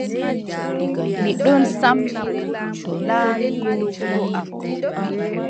Mi ɗon samna pucci laamiiɗo wuro am.